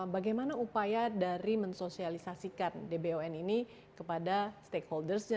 bagaimana upaya dari mensosialisasikan dbon ini kepada stakeholdersnya